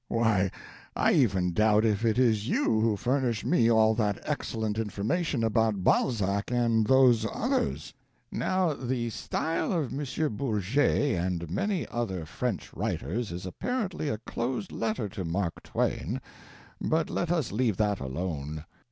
Why, I even doubt if it is you who furnish me all that excellent information about Balzac and those others. ["Now the style of M. Bourget and many other French writers is apparently a closed letter to Mark Twain; but let us leave that alone.